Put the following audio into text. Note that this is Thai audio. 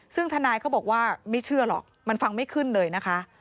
ซึ่งทนายเขาบอกว่าไม่เชื่อหรอกมันฟังไม่ขึ้นเลยนะคะ